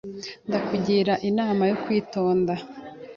Ndakugira inama yo kwitonda.